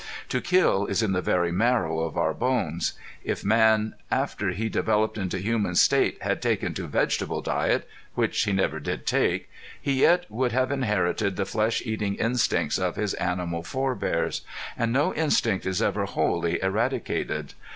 To kill is in the very marrow of our bones. If man after he developed into human state had taken to vegetable diet which he never did take he yet would have inherited the flesh eating instincts of his animal forebears. And no instinct is ever wholly eradicated.